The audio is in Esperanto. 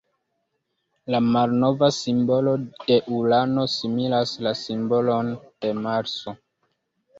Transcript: La malnova simbolo de Urano similas la simbolon de Marso.